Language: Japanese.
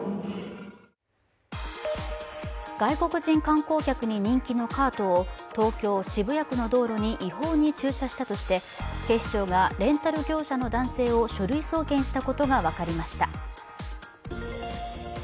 外国人観光客に人気のカートを東京・渋谷区の道路に違法に駐車をしたとして警視庁がレンタル業者の男性を書類送検したことが分かりました。